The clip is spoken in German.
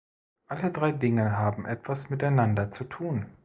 Alle drei Dinge haben etwas miteinander zu tun.